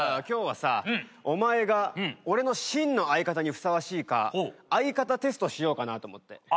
今日はさお前が俺の真の相方にふさわしいか相方テストしようかなと思って。